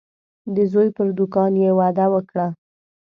د زوی پر دوکان یې وعده وکړه.